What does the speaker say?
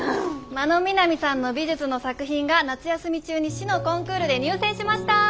真野みなみさんの美術の作品が夏休み中に市のコンクールで入選しました！